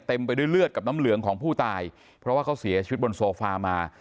ไปด้วยเลือดกับน้ำเหลืองของผู้ตายเพราะว่าเขาเสียชีวิตบนโซฟามา